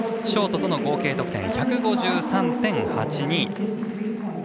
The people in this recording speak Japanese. ショートとの合計得点１５３．８２。